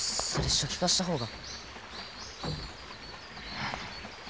初期化したほうが。